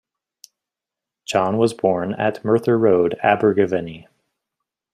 John was born at Merthyr Road, Abergavenny.